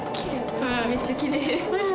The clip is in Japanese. めっちゃきれい。